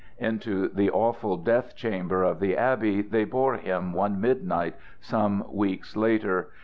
Into the awful death chamber of the abbey they bore him one midnight some weeks later.